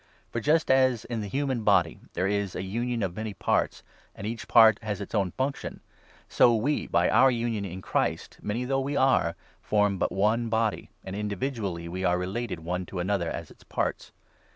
For, just as 4 in the human body there is a union of many parts, and each part has its own function, so we, by our union in 5 Christ, many though we are, form but one body, and on Christian individually we are related one to another as its Duties. parts.